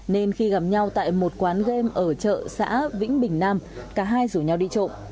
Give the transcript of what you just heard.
nên khi gặp nhau tại một quán game ở chợ xã vĩnh bình nam cả hai rủ nhau đi trộm